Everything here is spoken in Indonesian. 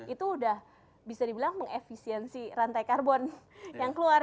itu udah bisa dibilang mengefisiensi rantai karbon yang keluar